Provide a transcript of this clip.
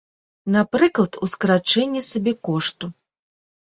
Напрыклад, у скарачэнні сабекошту.